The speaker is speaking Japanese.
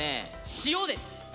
塩です。